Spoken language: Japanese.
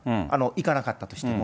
行かなかったとしても。